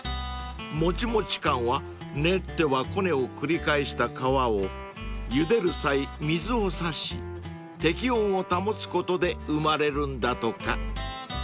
［もちもち感は練ってはこねを繰り返した皮をゆでる際水を差し適温を保つことで生まれるんだとか］